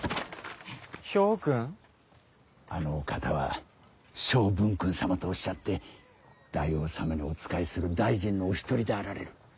あのお方は昌文君様とおっしゃって大王様にお仕えする大臣のお１人であられる。